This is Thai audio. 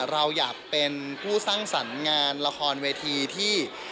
เราอยากเป็นผู้สร้างสรรค์งานละครเวทีที่